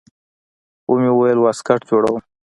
ومې ويل واسکټ جوړوم.